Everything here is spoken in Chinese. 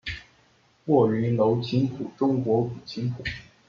卧云楼琴谱中国古琴谱。